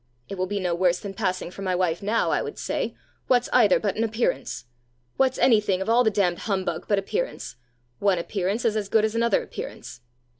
'It will be no worse than passing for my wife now,' I would say. 'What's either but an appearance? What's any thing of all the damned humbug but appearance? One appearance is as good as another appearance!